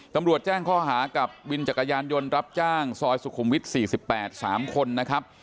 ตำรวจแจ้งข้อหากับวินจักรยานยนต์รับจ้างซอยสุขุมวิทย์๔๘๓คนนะครับ